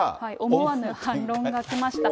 思わぬ反論がきました。